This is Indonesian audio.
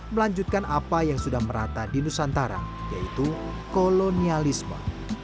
melanjutkan apa yang sudah merata di nusantara yaitu kolonialisme